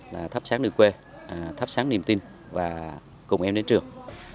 là tháp sáng đường quê tháp sáng niềm tin và cùng em đến trường